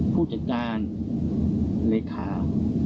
ผู้จัดการเลขา